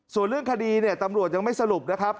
ส่วนเรื่องคดีเนี่ยตำรวจยังไม่สรุปนะครับ